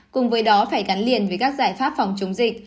cùng với đó phải gắn liền với các giải pháp phòng chống dịch